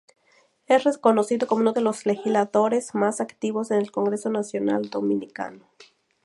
Es reconocido como uno de los legisladores más activos en el Congreso Nacional dominicano.